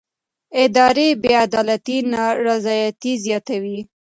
اداري بې عدالتي نارضایتي زیاتوي